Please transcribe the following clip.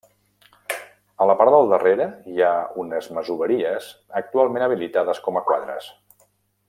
A la part del darrere hi ha unes masoveries actualment habilitades com a quadres.